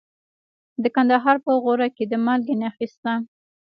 د کندهار په غورک کې د مالګې نښې شته.